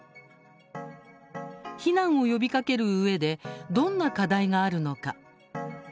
避難を呼びかけるうえでどんな課題があるのか。